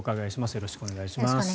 よろしくお願いします。